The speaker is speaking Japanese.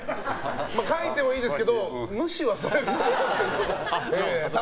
書いてもいいですけど無視はされると思いますけど。